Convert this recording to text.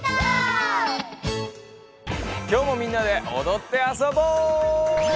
今日もみんなでおどってあそぼう！